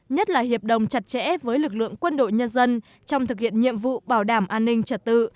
nhất là hiệp đồng chặt chẽ với lực lượng quân đội nhân dân trong thực hiện nhiệm vụ bảo đảm an ninh trật tự